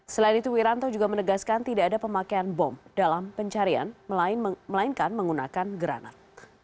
selain itu wiranto juga menegaskan tidak ada pemakaian bom dalam pencarian melainkan menggunakan granat